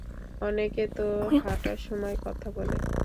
অনেকে তো হাটার সময় কথা বলে।